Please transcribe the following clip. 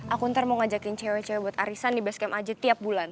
aku ntar mau ngajakin cewek cewek buat arisan di base camp aja tiap bulan